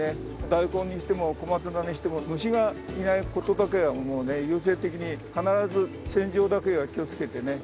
ダイコンにしても小松菜にしても虫がいない事だけは優先的に必ず洗浄だけは気をつけてね。